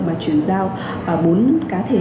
mà chuyển giao bốn cá thể